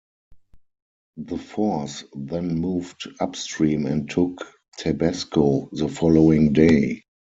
The force then moved upstream and took Tabasco the following day.